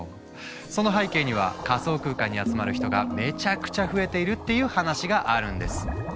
その背景には仮想空間に集まる人がめちゃくちゃ増えているっていう話があるんです。